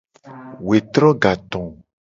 Wetro gato.